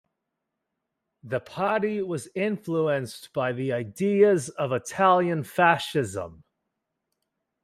The party was influenced by the ideas of Italian fascism.